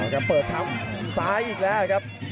จะเปิดช้ำซ้ายอีกแล้วครับ